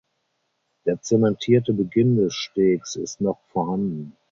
Der zementierte Beginn des Stegs ist noch vorhanden.